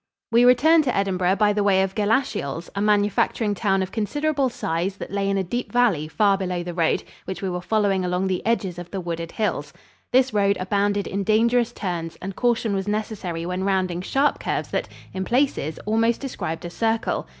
We returned to Edinburgh by the way of Galashiels, a manufacturing town of considerable size that lay in a deep valley far below the road which we were following along the edges of the wooded hills. This road abounded in dangerous turns and caution was necessary when rounding sharp curves that, in places, almost described a circle.